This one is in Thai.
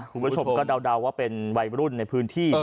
คุณผู้ชมก็เดาว่าเป็นวัยรุ่นในพื้นที่